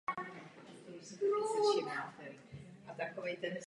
Namísto transparentnosti podporujete utajování.